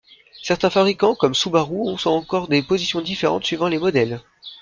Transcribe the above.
Certains fabricants comme Subaru ont encore des positions différentes suivant les modèles.